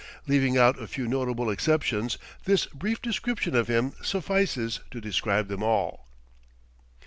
Leaving out a few notable exceptions, this brief description of him suffices to describe them all.